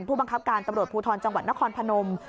ผู้บังคับการตำรวจภูทรจังหวัดนครพนม